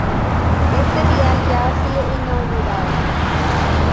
Este vial ya ha sido inaugurado.